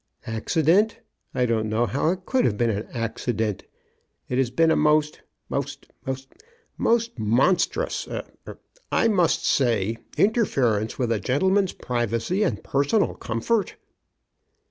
" Accident ! I don't know how it could have been an accident. It has been a most — most — most — a most monstrous — er — er — I must say, interference with a gentleman's privacy and personal comfort."